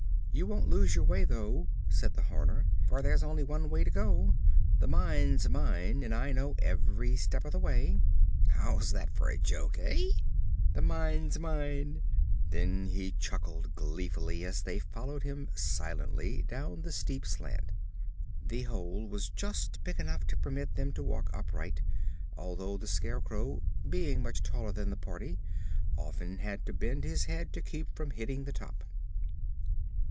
"You won't lose your way, though," said the Horner, "for there's only one way to go. The mine's mine and I know every step of the way. How's that for a joke, eh? The mine's mine." Then he chuckled gleefully as they followed him silently down the steep slant. The hole was just big enough to permit them to walk upright, although the Scarecrow, being much the taller of the party, often had to bend his head to keep from hitting the top.